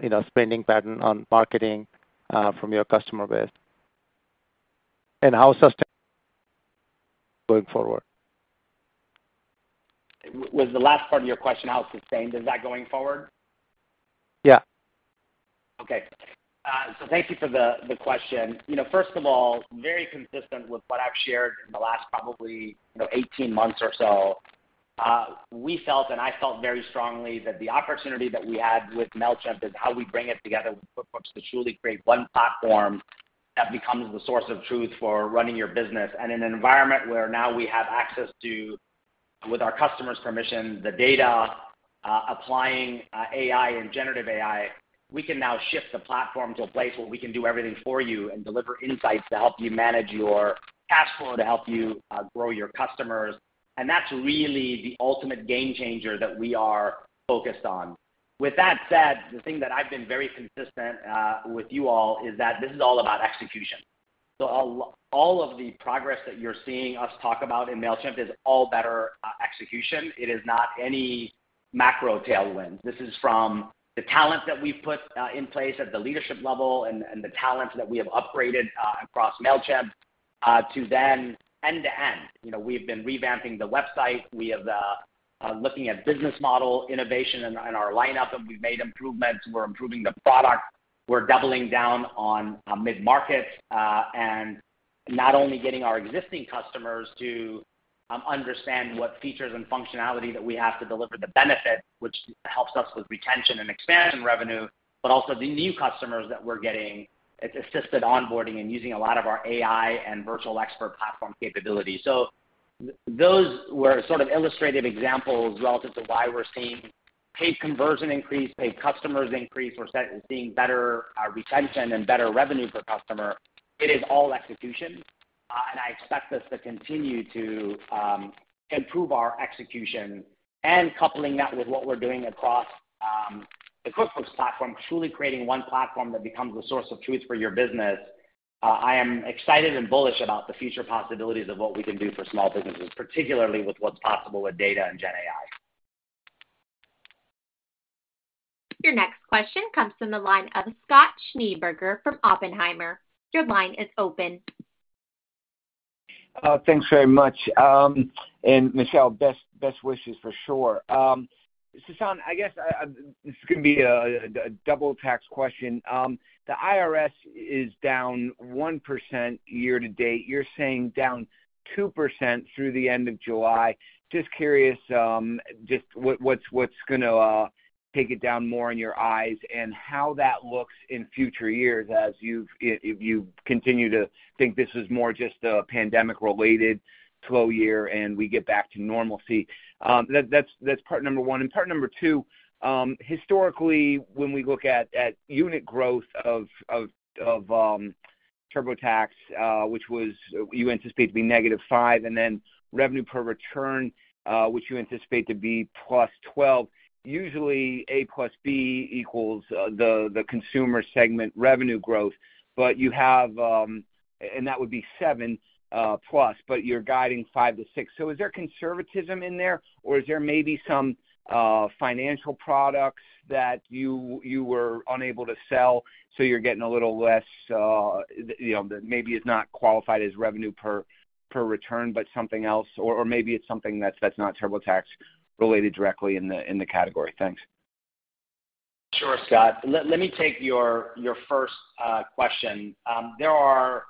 you know, spending pattern on marketing from your customer base? How sustained going forward? Was the last part of your question how sustained? Is that going forward? Yeah. Thank you for the question. You know, first of all, very consistent with what I've shared in the last probably, you know, 18 months or so, we felt, and I felt very strongly that the opportunity that we had with Mailchimp is how we bring it together with QuickBooks to truly create one platform that becomes the source of truth for running your business. In an environment where now we have access to, with our customers permission, the data, applying AI and generative AI, we can now shift the platform to a place where we can do everything for you and deliver insights to help you manage your cash flow, to help you grow your customers. That's really the ultimate game changer that we are focused on. With that said, the thing that I've been very consistent with you all is that this is all about execution. All of the progress that you're seeing us talk about in Mailchimp is all better execution. It is not any macro tailwind. This is from the talent that we've put in place at the leadership level and the talent that we have upgraded across Mailchimp to then end-to-end. You know, we've been revamping the website. We have the looking at business model innovation in our lineup, and we've made improvements. We're improving the product. We're doubling down on mid-market and not only getting our existing customers to understand what features and functionality that we have to deliver the benefit, which helps us with retention and expansion revenue, but also the new customers that we're getting. It's assisted onboarding and using a lot of our AI and virtual expert platform capabilities. Those were sort of illustrative examples relative to why we're seeing paid conversion increase, paid customers increase. We're seeing better retention and better revenue per customer. It is all execution. I expect us to continue to improve our execution and coupling that with what we're doing across the QuickBooks platform, truly creating one platform that becomes the source of truth for your business. I am excited and bullish about the future possibilities of what we can do for small businesses, particularly with what's possible with data and GenAI. Your next question comes from the line of Scott Schneeberger from Oppenheimer. Your line is open. Thanks very much. Michelle, best wishes for sure. Sasan, I guess, this is gonna be a double tax question. The IRS is down 1% year-to-date. You're saying down 2% through the end of July. Just curious, what's gonna take it down more in your eyes and how that looks in future years if you continue to think this is more just a pandemic-related slow year and we get back to normalcy. That's part number one. Part number two, historically, when we look at unit growth of TurboTax, which was you anticipate to be -5%, and then revenue per return, which you anticipate to be +12%, usually A plus B equals the consumer segment revenue growth. You have. That would be 7% plus, but you're guiding 5%-6%. Is there conservatism in there, or is there maybe some financial products that you were unable to sell, so you're getting a little less, you know, that maybe is not qualified as revenue per return but something else, or maybe it's something that's not TurboTax related directly in the category? Thanks. Sure, Scott. Let me take your first question. There are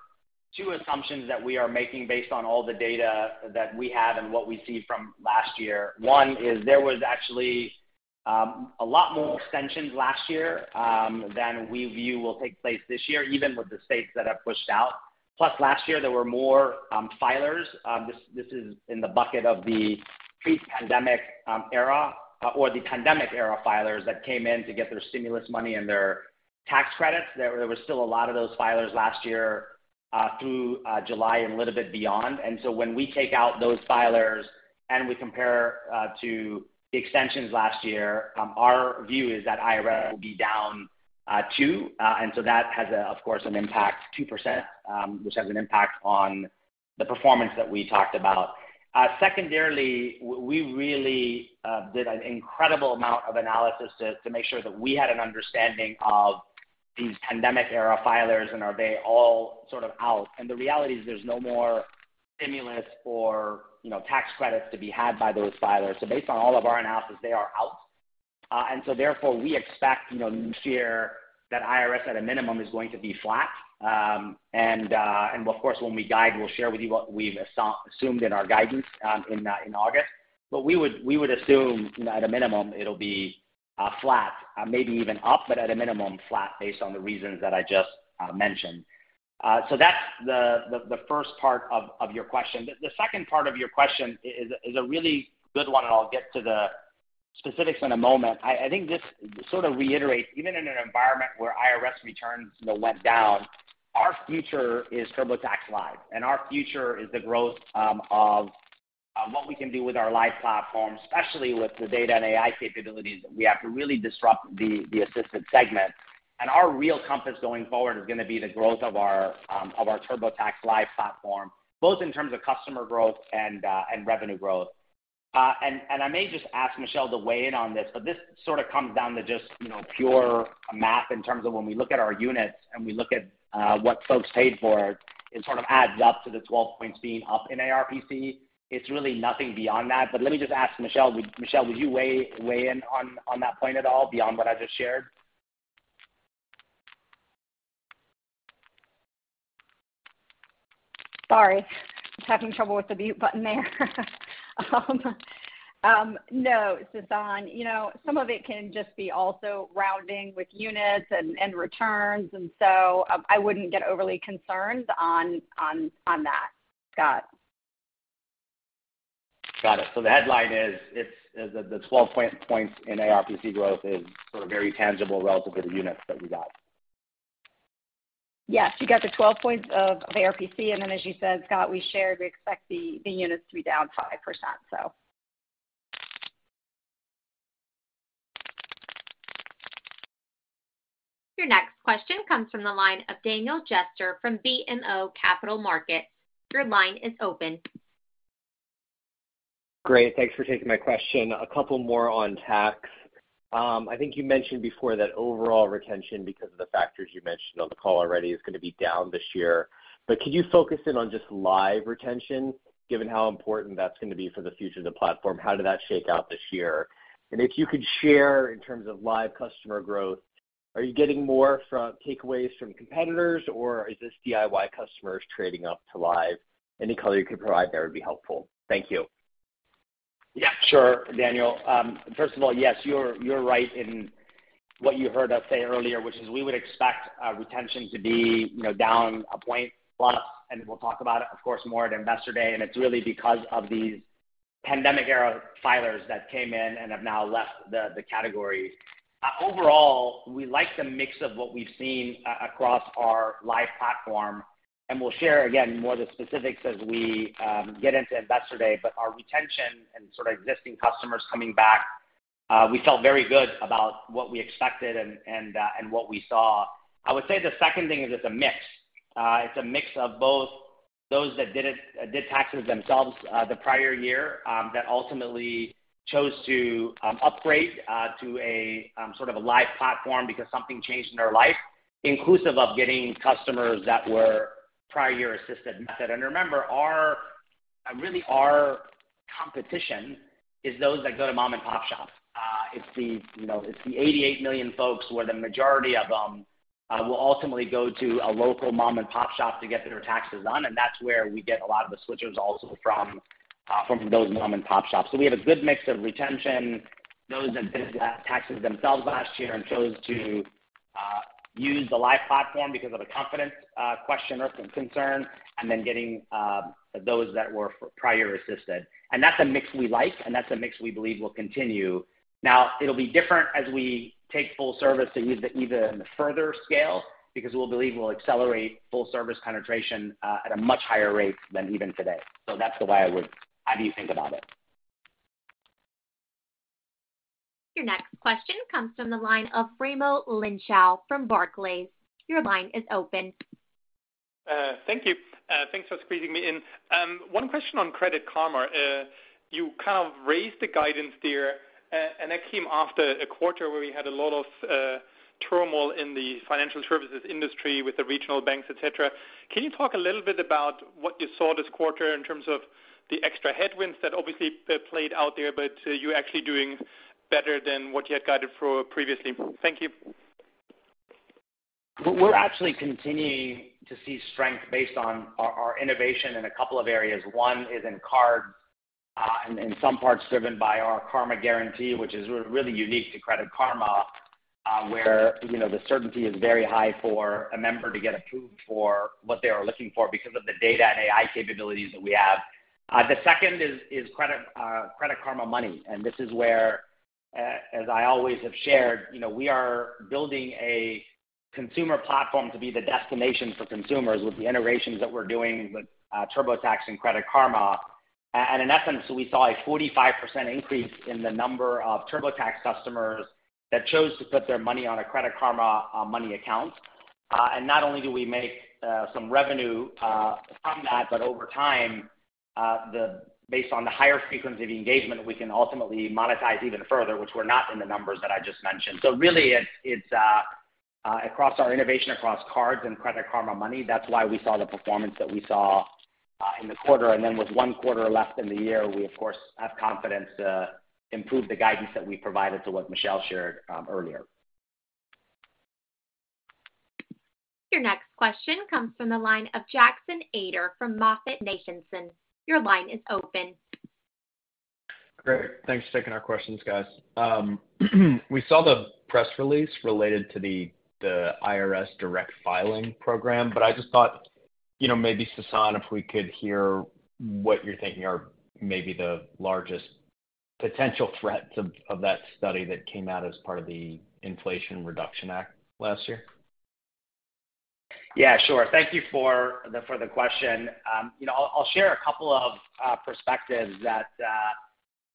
two assumptions that we are making based on all the data that we have and what we see from last year. One is there was actually a lot more extensions last year than we view will take place this year, even with the states that have pushed out. Last year, there were more filers, this is in the bucket of the pre-pandemic era or the pandemic era filers that came in to get their stimulus money and their tax credits. There were still a lot of those filers last year through July and a little bit beyond. When we take out those filers and we compare to the extensions last year, our view is that IRS will be down two. That has, of course, an impact, 2%, which has an impact on the performance that we talked about. Secondarily, we really did an incredible amount of analysis to make sure that we had an understanding of these pandemic era filers and are they all sort of out. The reality is there's no more stimulus or, you know, tax credits to be had by those filers. Based on all of our analysis, they are out. Therefore, we expect, you know, this year that IRS at a minimum is going to be flat. Of course, when we guide, we'll share with you what we've assumed in our guidance in August. We would assume, you know, at a minimum it'll be flat, maybe even up, but at a minimum flat based on the reasons that I just mentioned. That's the first part of your question. The second part of your question is a really good one, and I'll get to the specifics in a moment. I think this sort of reiterates, even in an environment where IRS returns, you know, went down, our future is TurboTax Live, and our future is the growth of what we can do with our live platform, especially with the data and AI capabilities that we have to really disrupt the assistant segment. Our real compass going forward is gonna be the growth of our of our TurboTax Live platform, both in terms of customer growth and revenue growth. I may just ask Michelle to weigh in on this, but this sort of comes down to just, you know, pure math in terms of when we look at our units and we look at, what folks paid for, it sort of adds up to the 12 points being up in ARPC. It's really nothing beyond that. Let me just ask Michelle. Michelle, would you weigh in on that point at all beyond what I just shared? Sorry. I was having trouble with the mute button there. No, Sasan. You know, some of it can just be also rounding with units and returns. I wouldn't get overly concerned on that, Scott. Got it. The headline is it's the 12 points in ARPC growth is sort of very tangible relative to the units that we got. Yes. You got the 12 points of ARPC, as you said, Scott, we shared we expect the units to be down 5%, so. Your next question comes from the line of Daniel Jester from BMO Capital Markets. Your line is open. Great. Thanks for taking my question. A couple more on tax. I think you mentioned before that overall retention, because of the factors you mentioned on the call already, is gonna be down this year. Could you focus in on just live retention, given how important that's gonna be for the future of the platform? How did that shake out this year? If you could share in terms of live customer growth, are you getting more from takeaways from competitors, or is this DIY customers trading up to live? Any color you could provide there would be helpful. Thank you. Yeah, sure, Daniel. First of all, yes, you're right in what you heard us say earlier, which is we would expect retention to be, you know, down a point plus. We'll talk about it, of course, more at Investor Day. It's really because of these pandemic era filers that came in and have now left the category. Overall, we like the mix of what we've seen across our live platform. We'll share, again, more of the specifics as we get into Investor Day. Our retention and sort of existing customers coming back, we felt very good about what we expected and what we saw. I would say the second thing is it's a mix. It's a mix of both those that did taxes themselves the prior year that ultimately chose to upgrade to a sort of a live platform because something changed in their life, inclusive of getting customers that were prior year assisted. Remember, really, our competition is those that go to mom-and-pop shops. It's the, you know, it's the 88 million folks where the majority of them will ultimately go to a local mom-and-pop shop to get their taxes done, and that's where we get a lot of the switchers also from those mom-and-pop shops. We have a good mix of retention, those that did their taxes themselves last year and chose to use the live platform because of a confidence question or some concern, and then getting those that were prior assisted. That's a mix we like, and that's a mix we believe will continue. It'll be different as we take full service and use it even in the further scale because we believe we'll accelerate full service penetration at a much higher rate than even today. That's the way I would have you think about it. Your next question comes from the line of Raimo Lenschow from Barclays. Your line is open. Thank you. Thanks for squeezing me in. One question on Credit Karma. You kind of raised the guidance there. That came after a quarter where we had a lot of turmoil in the financial services industry with the regional banks, et cetera. Can you talk a little bit about what you saw this quarter in terms of the extra headwinds that obviously played out there, but you're actually doing better than what you had guided for previously? Thank you. We're actually continuing to see strength based on our innovation in a couple of areas. One is in card, in some parts driven by our Karma Guarantee, which is really unique to Credit Karma, where, you know, the certainty is very high for a member to get approved for what they are looking for because of the data and AI capabilities that we have. The second is Credit Karma Money, and this is where, as I always have shared, you know, we are building a consumer platform to be the destination for consumers with the integrations that we're doing with TurboTax and Credit Karma. In essence, we saw a 45% increase in the number of TurboTax customers that chose to put their money on a Credit Karma Money account. Not only do we make some revenue from that, but over time, based on the higher frequency of engagement, we can ultimately monetize even further, which were not in the numbers that I just mentioned. Really, it's across our innovation across cards and Credit Karma Money. That's why we saw the performance that we saw in the quarter. With one quarter left in the year, we of course have confidence to improve the guidance that we provided to what Michelle shared earlier. Your next question comes from the line of Jackson Ader from MoffettNathanson. Your line is open. Great. Thanks for taking our questions, guys. We saw the press release related to the IRS direct filing program. I just thought, you know, maybe Sasan, if we could hear what you're thinking are maybe the largest potential threats of that study that came out as part of the Inflation Reduction Act last year. Yeah, sure. Thank you for the question. You know, I'll share a couple of perspectives that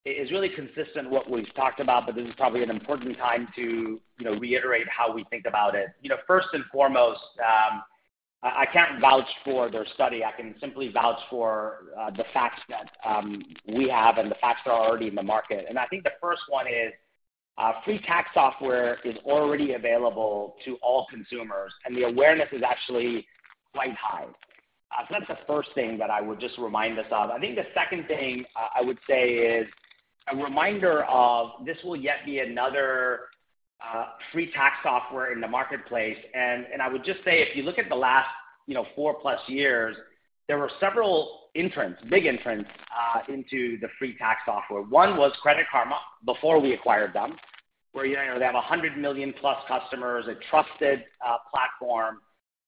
is really consistent what we've talked about, but this is probably an important time to, you know, reiterate how we think about it. You know, first and foremost, I can't vouch for their study. I can simply vouch for the facts that we have and the facts that are already in the market. I think the first one is free tax software is already available to all consumers, and the awareness is actually quite high. That's the first thing that I would just remind us of. I think the second thing I would say is a reminder of this will yet be another free tax software in the marketplace. I would just say, if you look at the last, you know, four-plus years, there were several entrants, big entrants, into the free tax software. One was Credit Karma, before we acquired them, where, you know, they have 100 million plus customers, a trusted platform,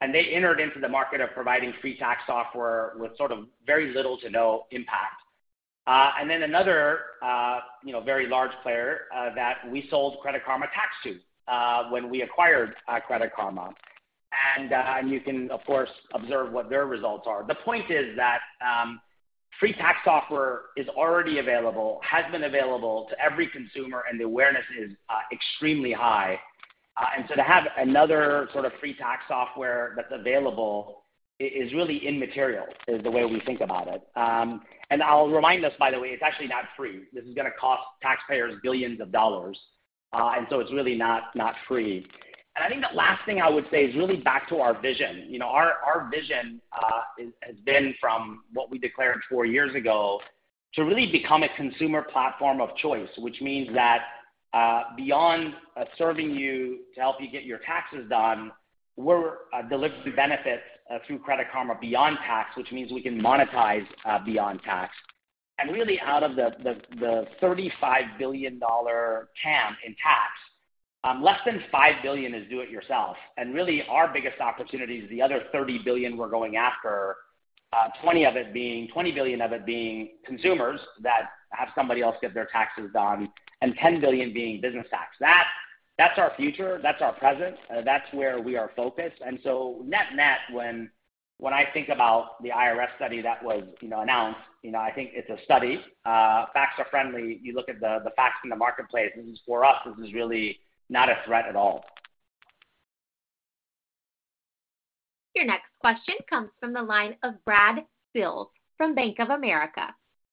and they entered into the market of providing free tax software with sort of very little to no impact. Another, you know, very large player, that we sold Credit Karma Tax to, when we acquired Credit Karma. And you can of course observe what their results are. The point is that free tax software is already available, has been available to every consumer, and the awareness is extremely high. To have another sort of free tax software that's available is really immaterial is the way we think about it. I'll remind us, by the way, it's actually not free. This is gonna cost taxpayers billions of dollars. It's really not free. I think the last thing I would say is really back to our vision. You know, our vision has been from what we declared four years ago to really become a consumer platform of choice, which means that beyond serving you to help you get your taxes done, we're delivering benefits through Credit Karma beyond tax, which means we can monetize beyond tax. Really out of the $35 billion TAM in tax, less than $5 billion is do it yourself. Really our biggest opportunity is the other $30 billion we're going after, $20 billion of it being consumers that have somebody else get their taxes done and $10 billion being business tax. That's our future, that's our present, that's where we are focused. Net-net, when I think about the IRS study that was, you know, announced, you know, I think it's a study. Facts are friendly. You look at the facts in the marketplace. This is for us, this is really not a threat at all. Your next question comes from the line of Brad Sills from Bank of America.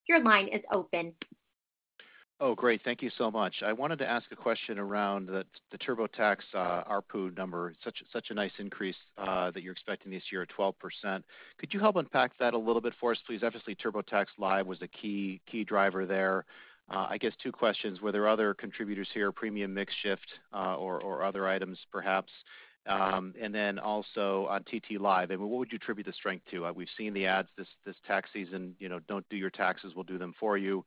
Your line is open. Great. Thank you so much. I wanted to ask a question around the TurboTax ARPU number. Such a nice increase that you're expecting this year at 12%. Could you help unpack that a little bit for us, please? Obviously, TurboTax Live was a key driver there. I guess two questions. Were there other contributors here, premium mix shift, or other items perhaps? Also on TT Live, I mean, what would you attribute the strength to? We've seen the ads this tax season, you know, "Don't do your taxes, we'll do them for you."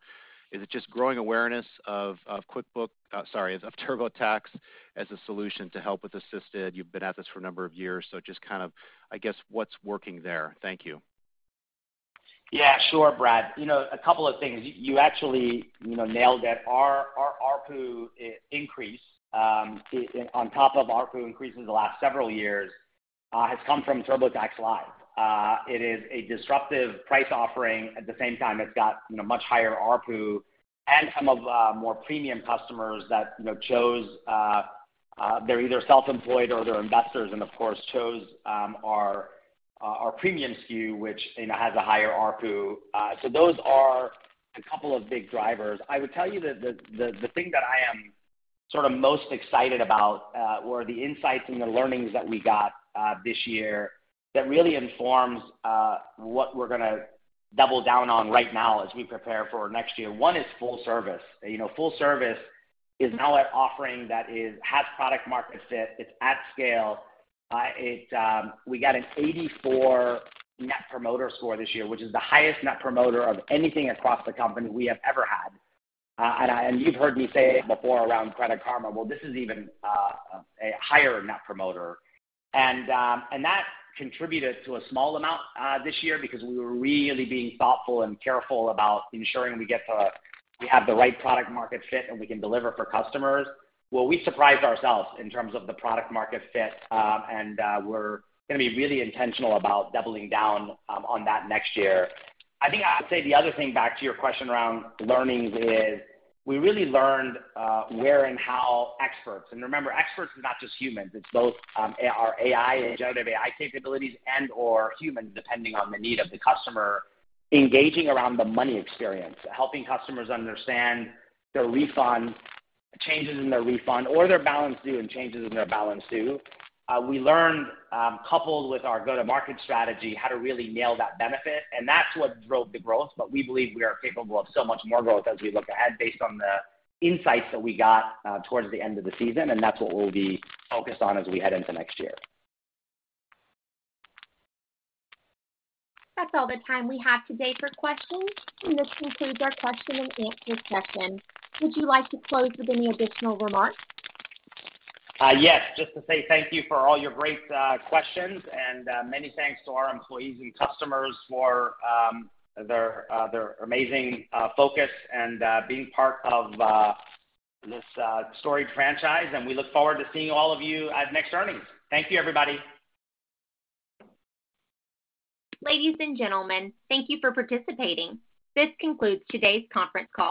Is it just growing awareness of QuickBooks... sorry, of TurboTax as a solution to help with assisted? You've been at this for a number of years, just kind of, I guess, what's working there? Thank you. Sure, Brad. You know, a couple of things. You actually, you know, nailed it. Our ARPU increase on top of ARPU increases the last several years has come from TurboTax Live. It is a disruptive price offering. At the same time, it's got, you know, much higher ARPU and some of more premium customers that, you know, chose, they're either self-employed or they're investors and of course, chose our premium SKU, which, you know, has a higher ARPU. Those are a couple of big drivers. I would tell you that the thing that I am sort of most excited about were the insights and the learnings that we got this year that really informs what we're gonna double down on right now as we prepare for next year. One is full service. You know, full service is now an offering that has product-market fit. It's at scale. We got an 84 Net Promoter Score this year, which is the highest Net Promoter of anything across the company we have ever had. You've heard me say it before around Credit Karma. Well, this is even a higher Net Promoter. That contributed to a small amount this year because we were really being thoughtful and careful about ensuring we have the right product-market fit, and we can deliver for customers. Well, we surprised ourselves in terms of the product-market fit, we're gonna be really intentional about doubling down on that next year. I think I'd say the other thing back to your question around learnings is we really learned, where and how experts, and remember, experts is not just humans. It's both, our AI, generative AI capabilities and/or humans, depending on the need of the customer, engaging around the money experience, helping customers understand their refund, changes in their refund or their balance due and changes in their balance due. We learned, coupled with our go-to-market strategy, how to really nail that benefit, and that's what drove the growth. We believe we are capable of so much more growth as we look ahead based on the insights that we got, towards the end of the season, and that's what we'll be focused on as we head into next year. That's all the time we have today for questions. This concludes our question and answer session. Would you like to close with any additional remarks? Yes. Just to say thank you for all your great questions, and many thanks to our employees and customers for their amazing focus and being part of this storied franchise. We look forward to seeing all of you at next earnings. Thank you, everybody. Ladies and gentlemen, thank you for participating. This concludes today's conference call.